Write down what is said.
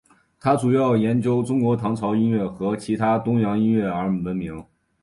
他主要以研究中国唐朝音乐和其他东洋音乐而闻名。